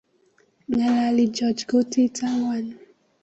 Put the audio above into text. Ngalali George kutit angwan